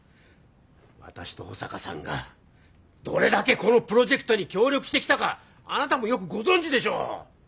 私と保坂さんがどれだけこのプロジェクトに協力してきたかあなたもよくご存じでしょう！